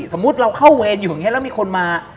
สมมุติเราเข้าเวรอยู่อย่างนี้แล้วมีคนมา